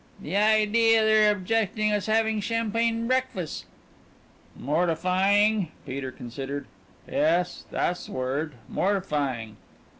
"The idea their objecting us having champagne breakfast." "Mortifying?" Peter considered. "Yes, tha's word mortifying."